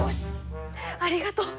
ありがとう！